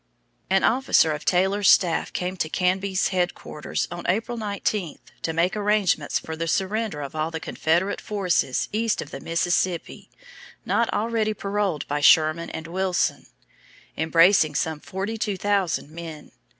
An officer of Taylor's staff came to Canby's headquarters on April 19 to make arrangements for the surrender of all the Confederate forces east of the Mississippi not already paroled by Sherman and Wilson, embracing some forty two thousand men.